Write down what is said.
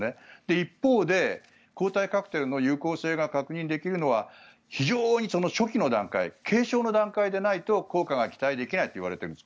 一方で、抗体カクテルの有効性が確認できるのは非常に初期の段階軽症の段階でないと効果が期待できないといわれているんです。